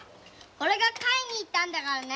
俺が買いに行ったんだからね。